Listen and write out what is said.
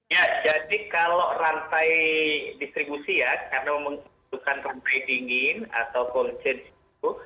ya jadi kalau rantai distribusi ya karena menggunakan rantai dingin atau konsen itu